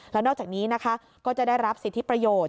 แล้วนอกจากนี้นะคะก็จะได้รับสิทธิประโยชน์